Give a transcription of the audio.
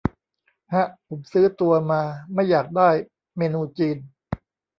ฮะ ผมซื้อตัว มา ไม่อยากได้เมนูจีน